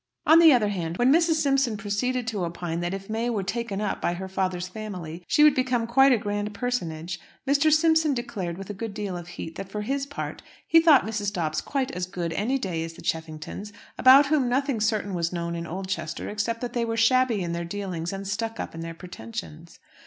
On the other hand, when Mrs. Simpson proceeded to opine that if May were taken up by her father's family she would become quite a grand personage, Mr. Simpson declared, with a good deal of heat, that for his part he thought Mrs. Dobbs quite as good any day as the Cheffingtons, about whom nothing certain was known in Oldchester except that they were shabby in their dealings and "stuck up" in their pretensions.